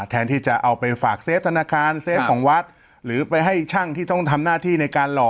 แทนที่จะเอาไปฝากเฟฟธนาคารเซฟของวัดหรือไปให้ช่างที่ต้องทำหน้าที่ในการหล่อ